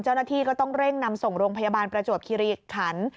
เจ้าหน้าที่ก็ต้องเร่งนำส่งโรงพยาบาลประจวบคิริขัน